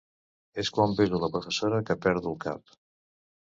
És quan beso la professora que perdo el cap.